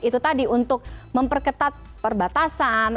itu tadi untuk memperketat perbatasan